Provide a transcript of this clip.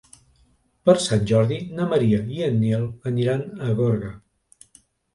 Per Sant Jordi na Maria i en Nil aniran a Gorga.